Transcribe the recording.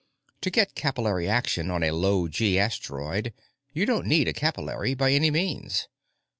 To get capillary action on a low gee asteroid, you don't need a capillary, by any means.